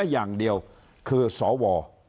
อย่างเดียวคือสว